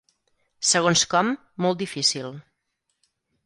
Segons com, molt difícil.